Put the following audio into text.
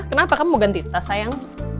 kenapa kan mau ganti tas sayang